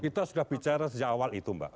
kita sudah bicara sejak awal itu mbak